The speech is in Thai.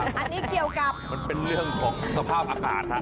อันนี้เกี่ยวกับมันเป็นเรื่องของสภาพอากาศฮะ